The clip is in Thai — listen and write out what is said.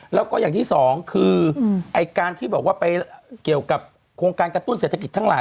แล้วก็อย่างที่สองคือไอ้การที่บอกว่าไปเกี่ยวกับโครงการกระตุ้นเศรษฐกิจทั้งหลาย